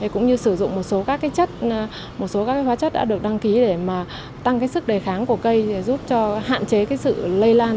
cũng như sử dụng một số các hóa chất đã được đăng ký để tăng sức đề kháng của cây